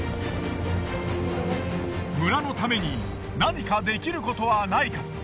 村のために何かできることはないか。